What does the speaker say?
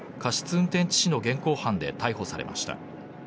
運転致死の現行犯で逮捕されました。